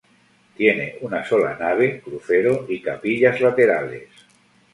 Tiene una sola nave, crucero y capillas laterales.